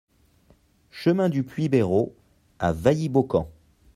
Chemin du Puits Bérault à Wailly-Beaucamp